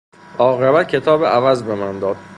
عاقبت کتاب عوض بمن داد.